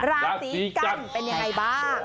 ราศีกันเป็นยังไงบ้าง